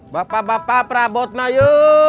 bapak bapak prabut nayu